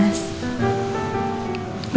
tidur sama mama